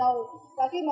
bởi vì là khi mà